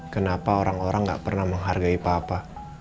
kenapa orang orang gak pernah menghargai papa